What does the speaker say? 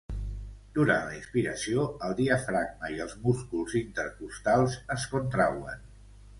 Durant la inspiració el diafragma i els músculs intercostals es contrauen.